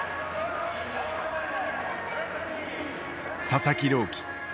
佐々木朗希。